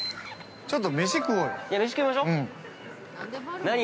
ちょっと飯食おうよ。